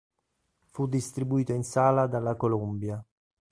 Fu distribuito in sala dalla Columbia.